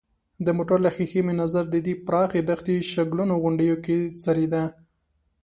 د موټر له ښېښې مې نظر د دې پراخې دښتې شګلنو غونډیو کې څرېده.